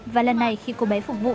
và lần này khi cô bé phục vụ